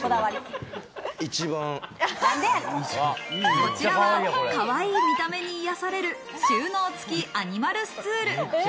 こちらは、かわいい見た目に癒やされる収納付きアニマルスツール。